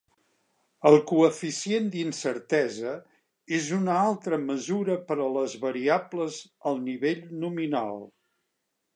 El coeficient d'incertesa és una altra mesura per a les variables al nivell nominal.